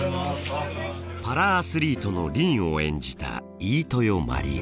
パラアスリートの凛を演じた飯豊まりえ。